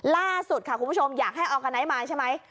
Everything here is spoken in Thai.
ล่าสุดค่ะคุณผู้ชมอยากให้ออร์กาไนท์มาใช่ไหม